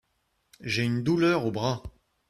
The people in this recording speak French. J'ai une douleur au bras.